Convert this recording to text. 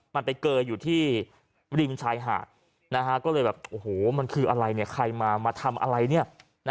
มันไปเกยอยู่ที่ริมชายหาดก็เลยแบบโอ้โหมันคืออะไรเนี่ยใครมามาทำอะไรเนี่ย